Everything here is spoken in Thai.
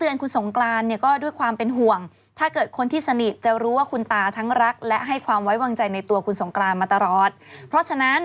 เออใครนั่งเห็นคนนั่งเฝ้าเหรอเขาบอกว่ามีพญานาคนั่งเฝ้า